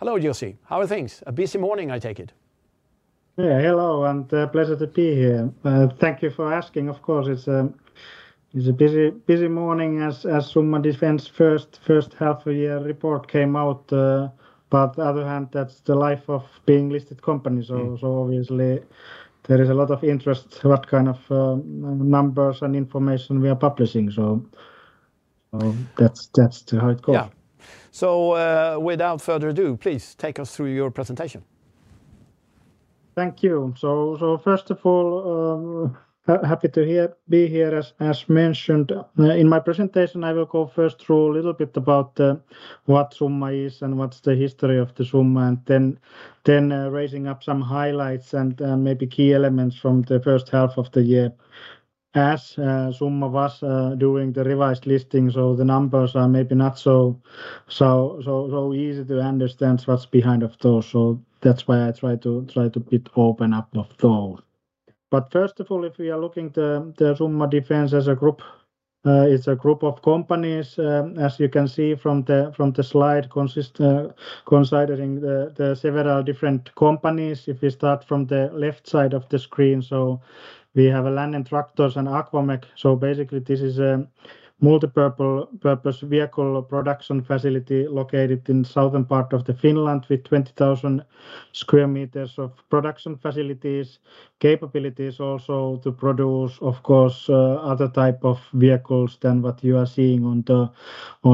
Hello, Jussi. How are things? A busy morning, I take it? Yeah, hello, and a pleasure to be here. Thank you for asking. Of course, it's a busy morning, as Summa Defence's First Half-of-Year Report came out. On the other hand, that's the life of being a listed company, so obviously there is a lot of interest in what kind of numbers and information we are publishing. That's how it goes. Yeah. Without further ado, please take us through your presentation. Thank you. First of all, happy to be here. As mentioned, in my presentation, I will go first through a little bit about what Summa is and what's the history of Summa, and then raise up some highlights and maybe key elements from the first half of the year, as Summa was doing the revised listing. The numbers are maybe not so easy to understand what's behind those, so that's why I try to be a bit open up of those. First of all, if we are looking at Summa Defence as a group, it's a group of companies, as you can see from the slide, considering there are several different companies. If we start from the left side of the screen, we have Lännen Tractors and Aquamec. Basically, this is a multi-purpose vehicle production facility located in the southern part of Finland, with 20,000 square meters of production facilities, capabilities also to produce, of course, other types of vehicles than what you are seeing on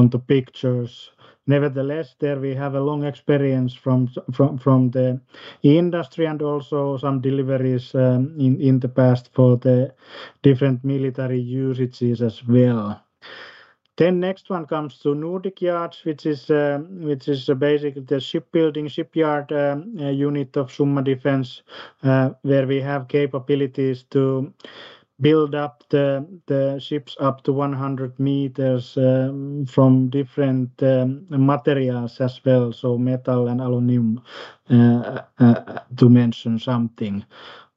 the pictures. Nevertheless, there we have a long experience from the industry and also some deliveries in the past for the different military usages as well. The next one comes to Nordic Yards, which is basically the shipbuilding shipyard unit of Summa Defence, where we have capabilities to build up the ships up to 100 m from different materials as well, so metal and aluminum, to mention something.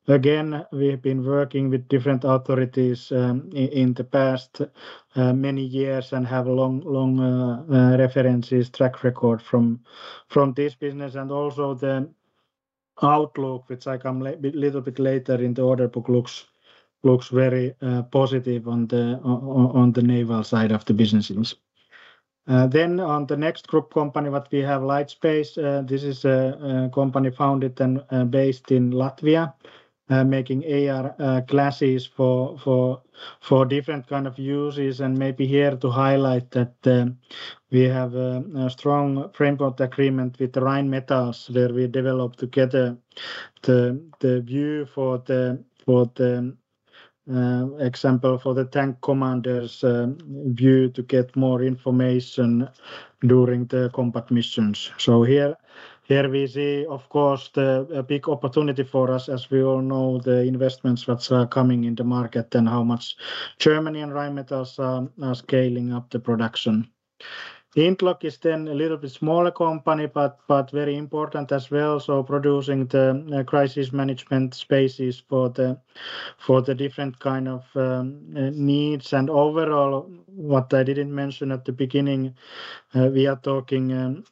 We have been working with different authorities in the past many years and have a long, long track record from this business. Also, the outlook, which I come a little bit later in the order backlog, looks very positive on the naval side of the businesses. On the next group company, what we have, Lightspace. This is a company founded and based in Latvia, making AR glasses for different kinds of uses. Maybe here to highlight that we have a strong framework agreement with Rheinmetall, where we developed together the view for the example for the tank commander's view to get more information during the compact missions. Here we see, of course, a big opportunity for us, as we all know the investments that are coming in the market and how much Germany and Rheinmetall are scaling up the production. IntLog is then a little bit smaller company, but very important as well, producing the crisis management spaces for the different kinds of needs. Overall, what I didn't mention at the beginning, we are talking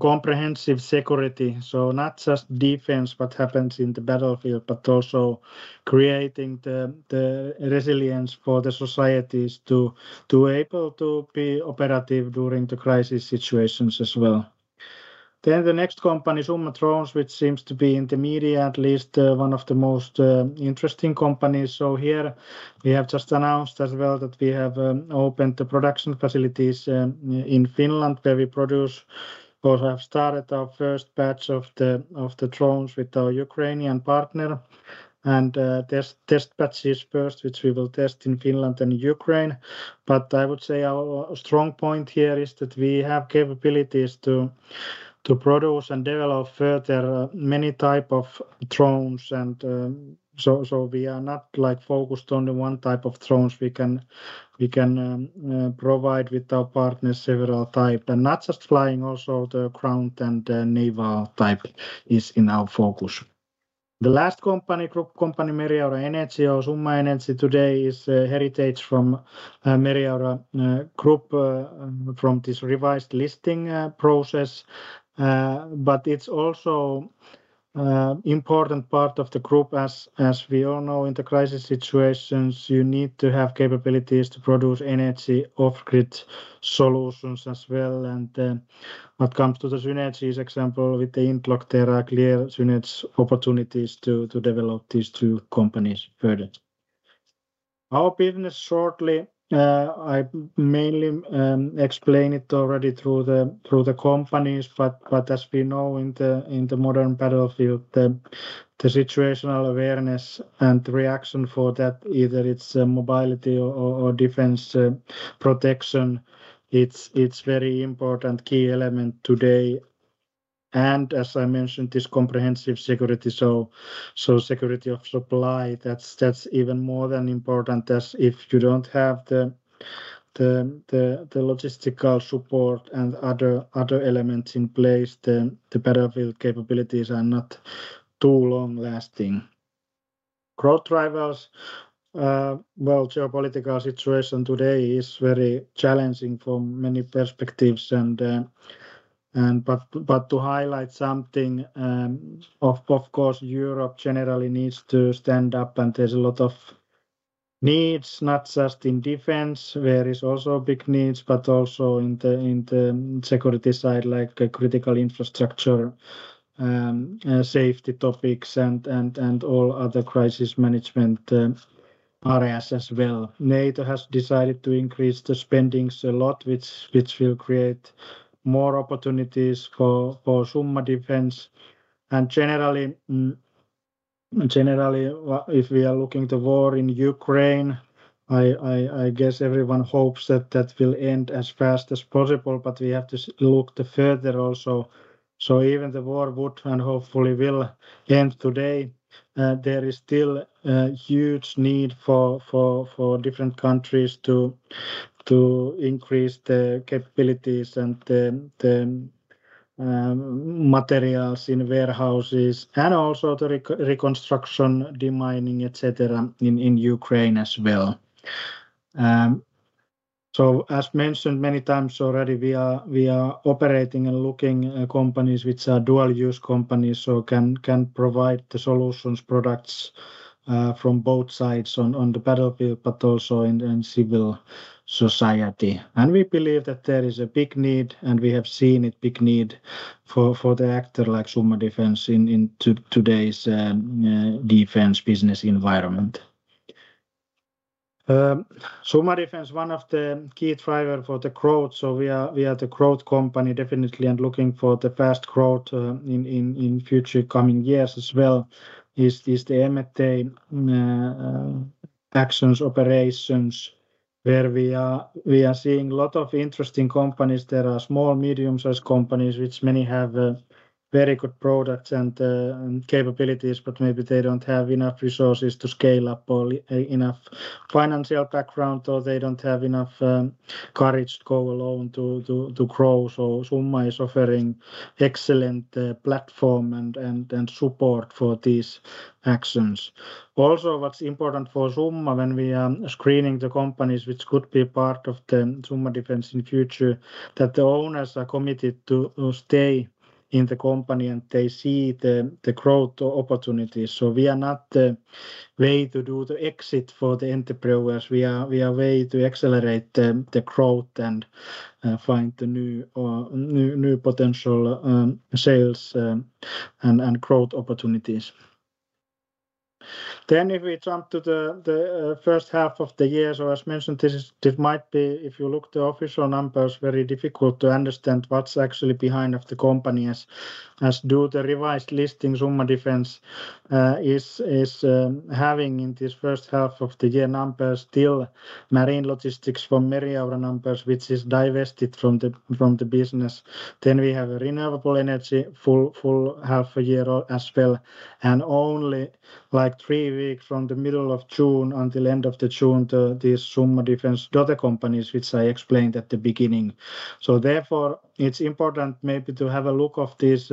comprehensive security, so not just defence, what happens in the battlefield, but also creating the resilience for the societies to be able to be operative during the crisis situations as well. The next company, SUMMA DRONES, which seems to be in the media, at least one of the most interesting companies. We have just announced as well that we have opened the production facilities in Finland, where we produce or have started our first batch of the drones with our Ukrainian partner. There's test batches first, which we will test in Finland and Ukraine. I would say our strong point here is that we have capabilities to produce and develop further many types of drones. We are not like focused on the one type of drones. We can provide with our partners several types, and not just flying, also the ground and naval type is in our focus. The last company, group company, Meriaura Energy, or Summa Energy today, is a heritage from Meriaura Group from this revised listing process. It's also an important part of the group, as we all know, in the crisis situations, you need to have capabilities to produce energy off-grid solutions as well. What comes to the synergies, for example, with the IntLog, there are clear synergy opportunities to develop these two companies further. Our business shortly, I mainly explained it already through the companies. As we know, in the modern battlefield, the situational awareness and reaction for that, either it's mobility or defence protection, it's a very important key element today. As I mentioned, this comprehensive security, so security of supply, that's even more than important. If you don't have the logistical support and other elements in place, then the battlefield capabilities are not too long-lasting. Growth drivers, the geopolitical situation today is very challenging from many perspectives. To highlight something, of course, Europe generally needs to stand up, and there's a lot of needs, not just in defence, where there are also big needs, but also in the security side, like critical infrastructure, safety topics, and all other crisis management areas as well. NATO has decided to increase the spending a lot, which will create more opportunities for Summa Defence. Generally, if we are looking at the war in Ukraine, I guess everyone hopes that that will end as fast as possible. We have to look further also. Even if the war would, and hopefully will, end today, there is still a huge need for different countries to increase the capabilities and the materials in warehouses and also the reconstruction, demining, etc., in Ukraine as well. As mentioned many times already, we are operating and looking at companies which are dual-use companies, so can provide the solutions, products from both sides on the battlefield, but also in civil society. We believe that there is a big need, and we have seen a big need for the actor like Summa Defence in today's defence business environment. Summa Defence, one of the key drivers for the growth, so we are the growth company definitely, and looking for the fast growth in future coming years as well, is the M&A actions, operations, where we are seeing a lot of interesting companies. There are small, medium-sized companies, which many have very good products and capabilities, but maybe they don't have enough resources to scale up or enough financial background, or they don't have enough courage to go alone to grow. Summa is offering an excellent platform and support for these actions. Also, what's important for Summa when we are screening the companies which could be part of the Summa Defence in the future is that the owners are committed to stay in the company and they see the growth opportunities. We are not the way to do the exit for the entrepreneurs. We are a way to accelerate the growth and find new potential sales and growth opportunities. If we jump to the first half of the year, as mentioned, this might be, if you look at the official numbers, very difficult to understand what's actually behind the companies, as do the revised listings. Summa Defence is having in this first half of the year numbers still marine logistics from Meriaura numbers, which is divested from the business. We have renewable energy full half a year as well, and only like three weeks from the middle of June until the end of June, these Summa Defence daughter companies, which I explained at the beginning. Therefore, it's important maybe to have a look at these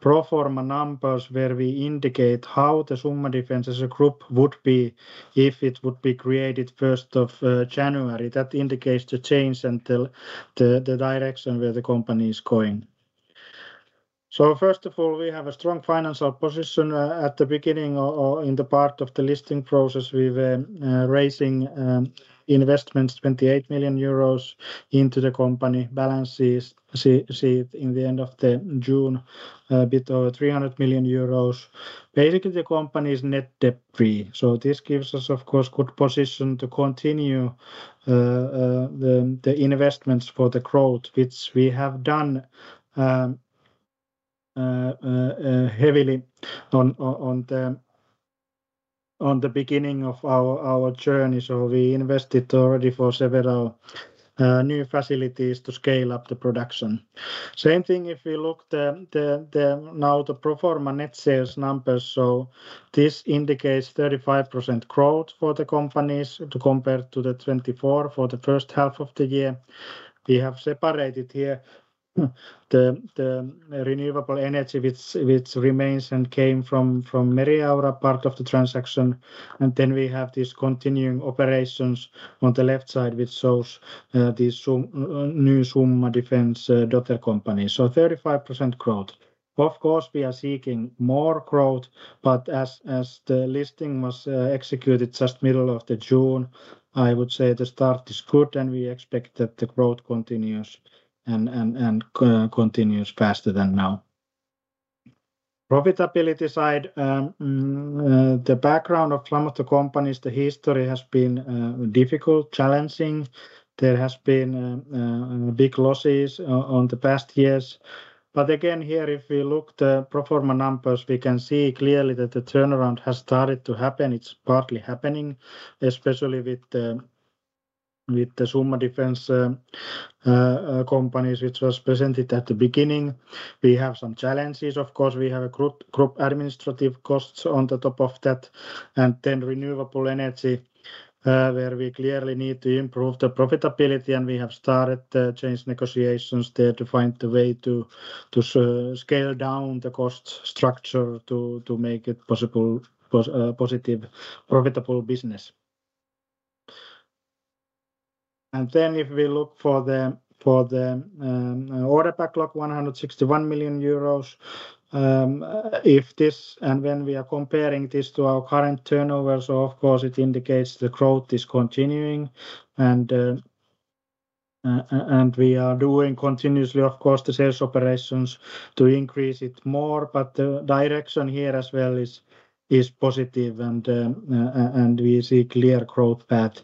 pro forma numbers where we indicate how the Summa Defence as a group would be if it would be created 1st of January. That indicates the change and the direction where the company is going. First of all, we have a strong financial position at the beginning in the part of the listing process. We were raising investments, 28 million euros into the company. Balance sheet in the end of June, a bit over 300 million euros. Basically, the company is net debt-free. This gives us, of course, a good position to continue the investments for the growth, which we have done heavily on the beginning of our journey. We invested already for several new facilities to scale up the production. Same thing if we look at the now the pro forma net sales numbers. This indicates 35% growth for the companies compared to the 24% for the first half of the year. We have separated here the renewable energy, which remains and came from Meriaura part of the transaction. Then we have these continuing operations on the left side, which shows these new Summa Defence daughter companies. 35% growth. Of course, we are seeking more growth, but as the listing was executed just middle of June, I would say the start is good, and we expect that the growth continues and continues faster than now. Profitability side, the background of some of the companies, the history has been difficult, challenging. There have been big losses in the past years. Again, here, if we look at the pro forma numbers, we can see clearly that the turnaround has started to happen. It's partly happening, especially with the Summa Defence companies, which was presented at the beginning. We have some challenges. Of course, we have group administrative costs on the top of that, and then renewable energy, where we clearly need to improve the profitability. We have started the change negotiations there to find a way to scale down the cost structure to make it a positive, profitable business. If we look for the order backlog, 161 million euros. If this and when we are comparing this to our current turnover, it indicates the growth is continuing. We are doing continuously, of course, the sales operations to increase it more. The direction here as well is positive, and we see a clear growth path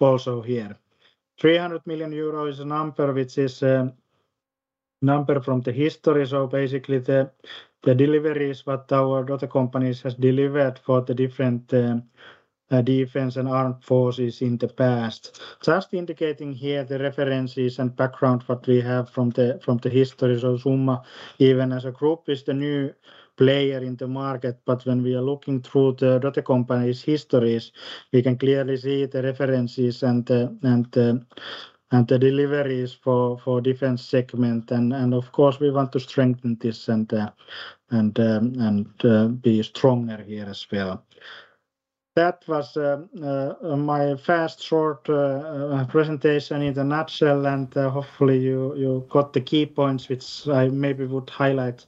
also here. 300 million euro is a number which is a number from the history. Basically, the deliveries that our daughter companies have delivered for the different defence and armed forces in the past. Just indicating here the references and background what we have from the history. Summa, even as a group, is the new player in the market. When we are looking through the daughter companies' histories, we can clearly see the references and the deliveries for the defence segment. Of course, we want to strengthen this and be stronger here as well. That was my fast, short presentation in a nutshell. Hopefully, you got the key points, which I maybe would highlight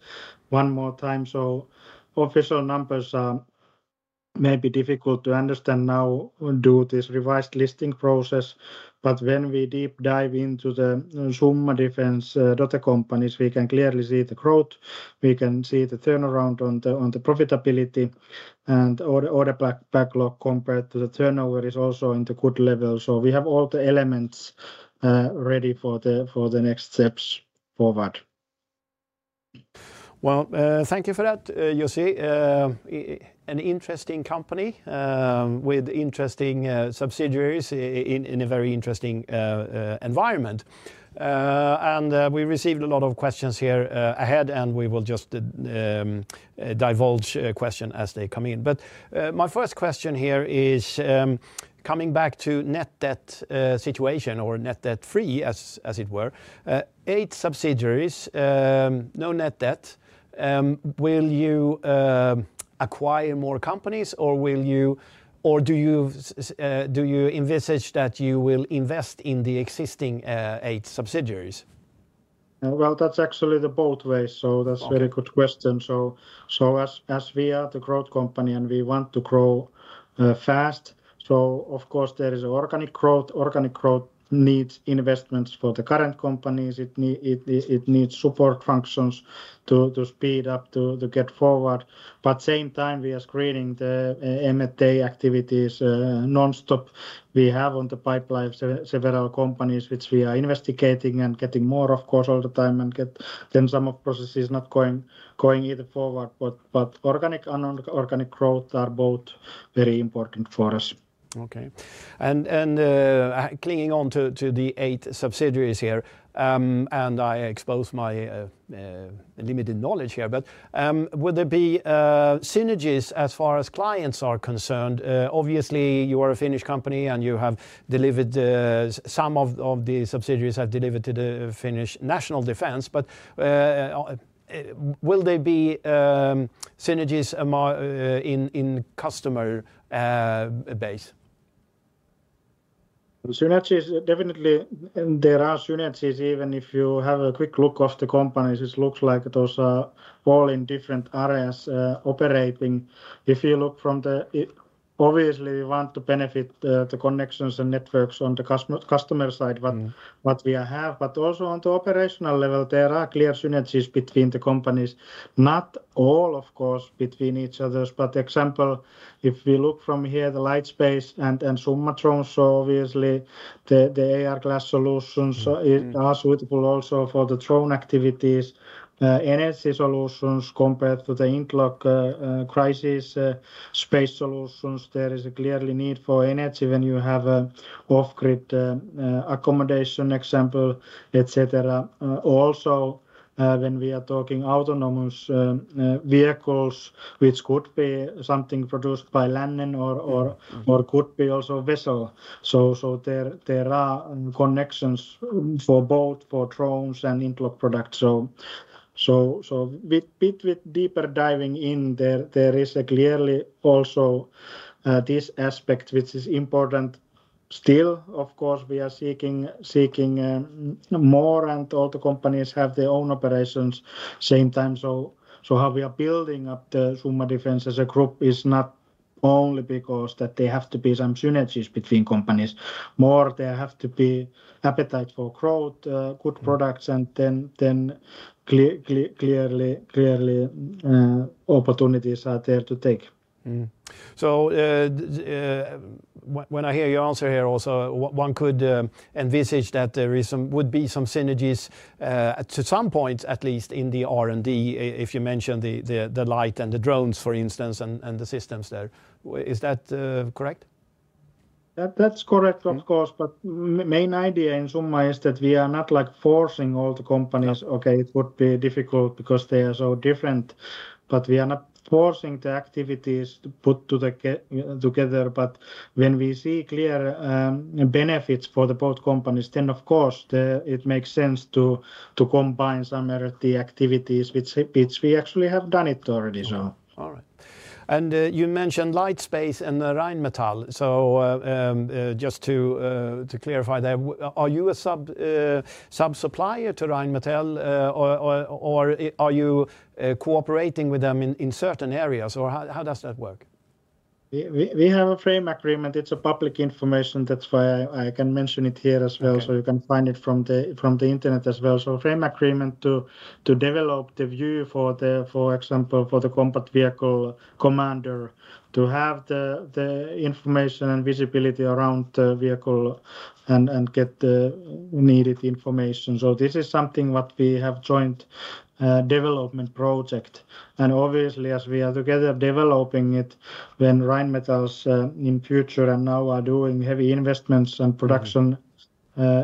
one more time. Official numbers are maybe difficult to understand now due to this revised listing process. When we deep dive into the Summa Defence daughter companies, we can clearly see the growth. We can see the turnaround on the profitability. The order backlog compared to the turnover is also at a good level. We have all the elements ready for the next steps forward. Thank you for that, Jussi. An interesting company with interesting subsidiaries in a very interesting environment. We received a lot of questions here ahead, and we will just divulge questions as they come in. My first question here is, coming back to the net debt situation or net debt-free, as it were, eight subsidiaries, no net debt, will you acquire more companies, or do you envisage that you will invest in the existing eight subsidiaries? That's actually both ways. That's a very good question. As we are the growth company, and we want to grow fast, of course, there is organic growth. Organic growth needs investments for the current companies. It needs support functions to speed up, to get forward. At the same time, we are screening the M&A activities nonstop. We have on the pipeline several companies, which we are investigating and getting more, of course, all the time. Some of the processes are not going either forward. Organic and non-organic growth are both very important for us. Okay. Clinging on to the eight subsidiaries here, and I expose my limited knowledge here, would there be synergies as far as clients are concerned? Obviously, you are a Finnish company, and you have delivered, some of the subsidiaries have delivered to the Finnish national defence. Will there be synergies in customer base? There are synergies, even if you have a quick look at the companies. It looks like those are all in different areas operating. If you look from the, obviously, we want to benefit from the connections and networks on the customer side, what we have. Also, on the operational level, there are clear synergies between the companies. Not all, of course, between each other. For example, if we look from here, the Lightspace and SUMMA DRONES, obviously, the AR glasses solutions are suitable also for the drone activities. Energy solutions compared to the IntLog crisis, space solutions, there is a clear need for energy when you have an off-grid accommodation example, etc. Also, when we are talking autonomous vehicles, which could be something produced by Lännen or could be also Rasol. There are connections for both for drones and IntLog products. A bit deeper diving in, there is clearly also this aspect, which is important. Still, of course, we are seeking more, and all the companies have their own operations at the same time. How we are building up the Summa Defence as a group is not only because there have to be some synergies between companies. More, there have to be appetite for growth, good products, and then clearly opportunities are there to take. When I hear you answer here, one could envisage that there would be some synergies to some point, at least in the R&D, if you mentioned the Light and the drones, for instance, and the systems there. Is that correct? That's correct, of course. The main idea in Summa Defence is that we are not forcing all the companies. It would be difficult because they are so different. We are not forcing the activities to put together. When we see clear benefits for both companies, it makes sense to combine some R&D activities, which we actually have done already. All right. You mentioned Lightspace and Rheinmetall. Just to clarify there, are you a subsupplier to Rheinmetall, or are you cooperating with them in certain areas? How does that work? We have a frame agreement. It's public information. That's why I can mention it here as well. You can find it from the internet as well. A frame agreement to develop the view for, for example, the compact vehicle commander to have the information and visibility around the vehicle and get the needed information. This is something we have joined as a development project. Obviously, as we are together developing it, when Rheinmetall in the future and now are doing heavy investments and production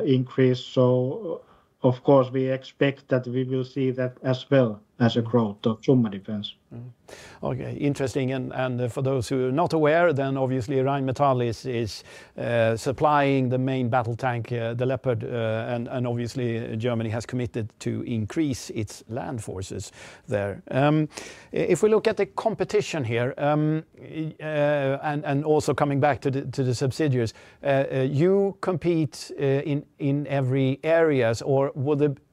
increase, of course, we expect that we will see that as well as a growth of Summa Defence. Okay. Interesting. For those who are not aware, obviously, Rheinmetall is supplying the main battle tank, the Leopard, and obviously, Germany has committed to increase its land forces there. If we look at the competition here, and also coming back to the subsidiaries, you compete in every area, or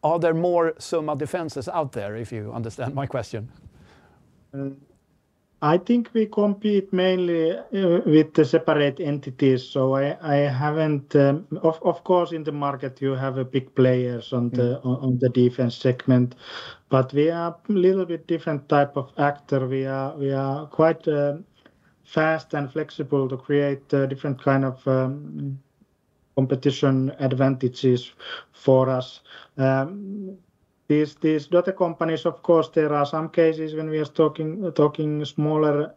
are there more Summa Defences out there, if you understand my question? I think we compete mainly with the separate entities. I haven't, of course, in the market, you have big players in the defence segment. We are a little bit different type of actor. We are quite fast and flexible to create different kinds of competition advantages for us. These subsidiaries, of course, there are some cases when we are talking smaller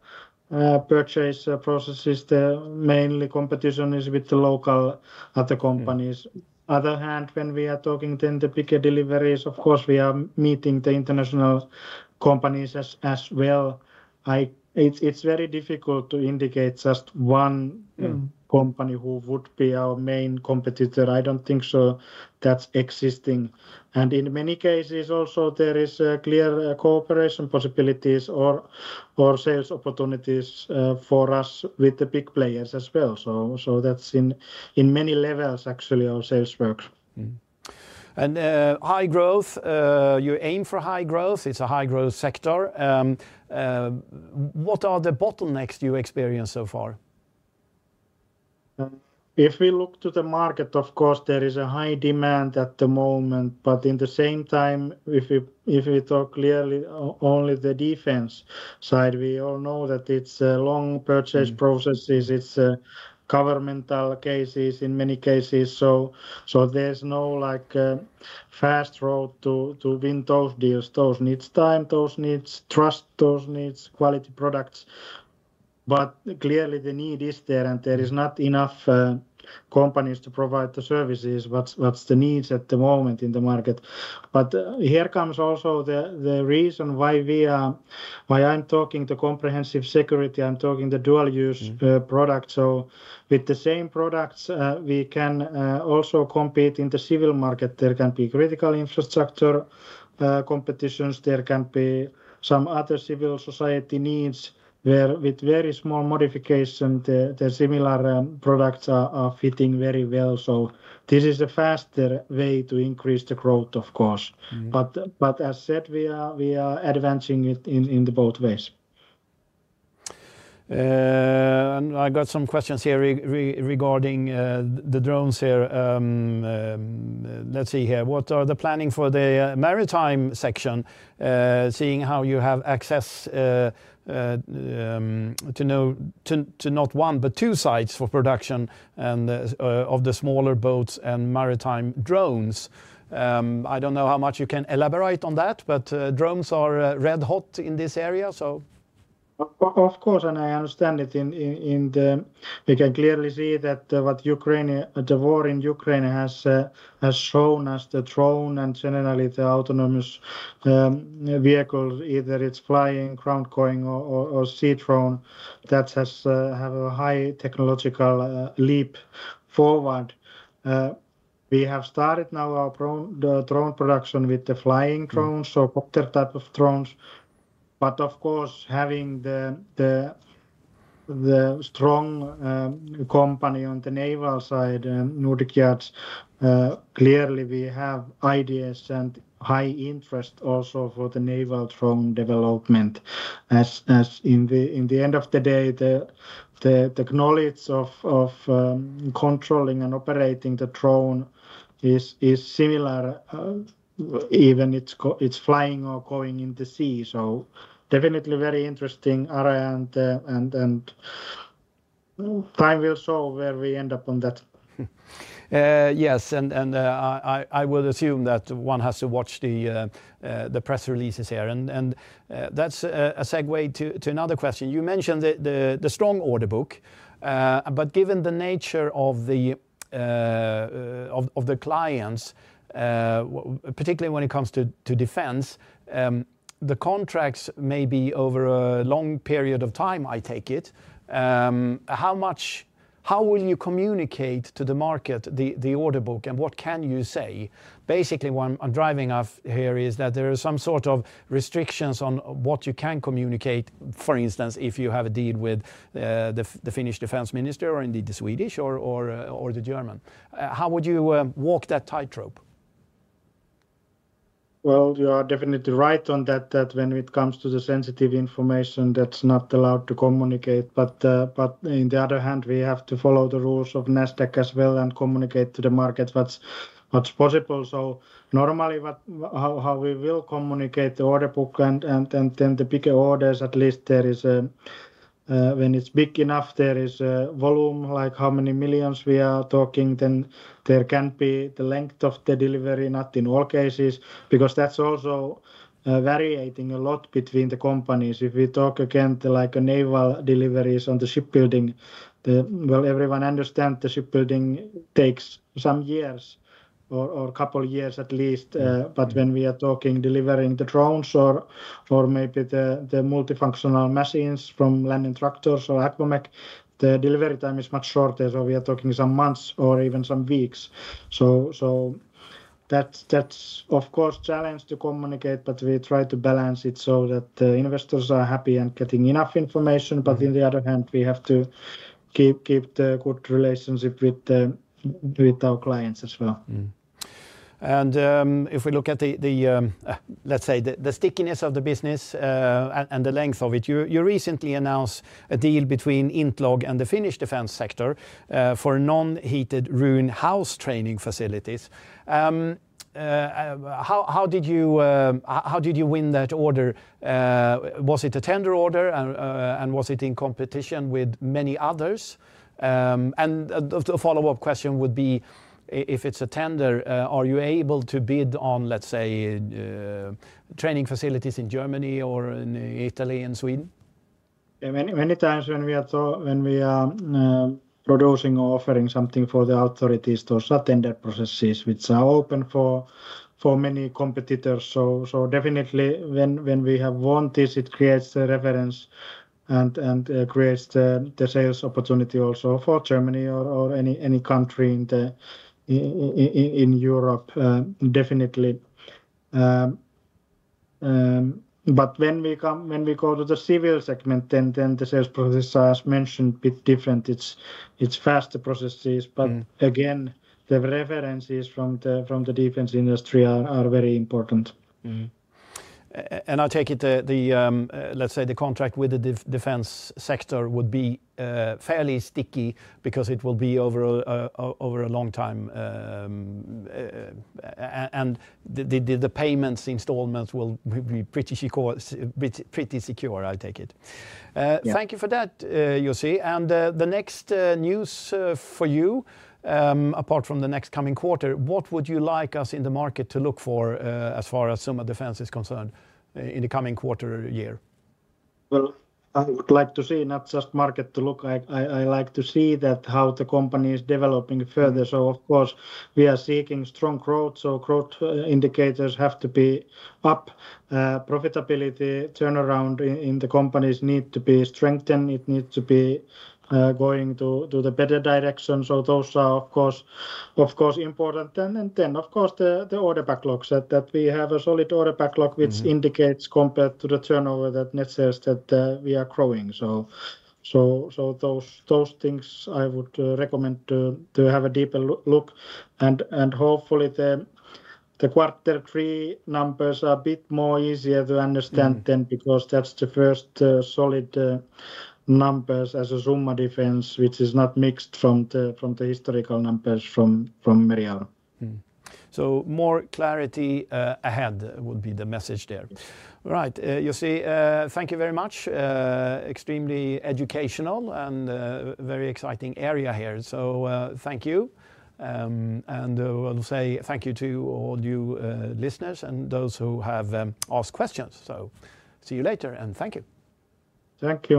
purchase processes. The main competition is with the local subsidiaries. On the other hand, when we are talking about the bigger deliveries, we are meeting the international companies as well. It's very difficult to indicate just one company who would be our main competitor. I don't think so. That's existing. In many cases, also, there are clear cooperation possibilities or sales opportunities for us with the big players as well. That is, in many levels, actually, our sales work. You aim for high growth. It's a high-growth sector. What are the bottlenecks you experienced so far? If we look to the market, of course, there is a high demand at the moment. At the same time, if we talk clearly only the defence side, we all know that it's long purchase processes. It's governmental cases in many cases. There's no fast road to win those deals. Those need time. Those need trust. Those need quality products. Clearly, the need is there, and there are not enough companies to provide the services. What's the needs at the moment in the market? Here comes also the reason why I'm talking the comprehensive security. I'm talking the dual-use product. With the same products, we can also compete in the civil market. There can be critical infrastructure competitions. There can be some other civil society needs where, with very small modification, the similar products are fitting very well. This is a faster way to increase the growth, of course. As said, we are advancing it in both ways. I got some questions here regarding the drones. Let's see here. What are the planning for the maritime section, seeing how you have access to not one, but two sites for production of the smaller boats and maritime drones? I don't know how much you can elaborate on that, but drones are red hot in this area. Of course, I understand it. We can clearly see that what the war in Ukraine has shown us, the drone and generally the autonomous vehicles, either it's flying, ground going, or sea drone, that has had a high technological leap forward. We have started now our drone production with the flying drones, so a copter type of drones. Of course, having the strong company on the naval side, Nordic Yards, clearly we have ideas and high interest also for the naval drone development. In the end of the day, the knowledge of controlling and operating the drone is similar, even if it's flying or going in the sea. Definitely a very interesting area, and time will show where we end up on that. Yes, I will assume that one has to watch the press releases here. That's a segue to another question. You mentioned the strong order book, but given the nature of the clients, particularly when it comes to defence, the contracts may be over a long period of time, I take it. How will you communicate to the market the order book, and what can you say? Basically, what I'm driving off here is that there are some sort of restrictions on what you can communicate, for instance, if you have a deal with the Finnish Defence Ministry or indeed the Swedish or the German. How would you walk that tightrope? You are definitely right on that, that when it comes to the sensitive information, that's not allowed to communicate. On the other hand, we have to follow the rules of NASDAQ as well and communicate to the market what's possible. Normally, how we will communicate the order backlog and then the bigger orders, at least there is a, when it's big enough, there is a volume, like how many millions we are talking. There can be the length of the delivery, not in all cases, because that's also variating a lot between the companies. If we talk again like naval deliveries on the shipbuilding, everyone understands the shipbuilding takes some years or a couple of years at least. When we are talking delivering the drones or maybe the multifunctional machines from Lännen Tractors or Aquamec, the delivery time is much shorter. We are talking some months or even some weeks. That's, of course, a challenge to communicate, but we try to balance it so that the investors are happy and getting enough information. On the other hand, we have to keep the good relationship with our clients as well. If we look at the, let's say, the stickiness of the business and the length of it, you recently announced a deal between IntLog and the Finnish defence sector for non-heated rune house training facilities. How did you win that order? Was it a tender order, and was it in competition with many others? The follow-up question would be, if it's a tender, are you able to bid on, let's say, training facilities in Germany or in Italy and Sweden? Many times when we are producing or offering something for the authorities, those are tender processes, which are open for many competitors. Definitely, when we have won this, it creates the reference and creates the sales opportunity also for Germany or any country in Europe, definitely. When we go to the civil segment, the sales process, as mentioned, is a bit different. It's faster processes. Again, the references from the defence industry are very important. I take it, let's say, the contract with the defence sector would be fairly sticky because it will be over a long time. The payments, installments will be pretty secure, I take it. Thank you for that, Jussi. The next news for you, apart from the next coming quarter, what would you like us in the market to look for as far as Summa Defence is concerned in the coming quarter year? I would like to see not just the market to look. I like to see how the company is developing further. Of course, we are seeking strong growth. Growth indicators have to be up. Profitability, turnaround in the companies need to be strengthened. It needs to be going to the better direction. Those are, of course, important. The order backlogs, that we have a solid order backlog, which indicates compared to the turnover that says that we are growing. Those things I would recommend to have a deeper look. Hopefully, the quarter three numbers are a bit more easier to understand then because that's the first solid numbers as Summa Defence, which is not mixed from the historical numbers from Meriaura. More clarity ahead would be the message there. Right, Jussi, thank you very much. Extremely educational and very exciting area here. Thank you. I will say thank you to all you listeners and those who have asked questions. See you later and thank you. Thank you.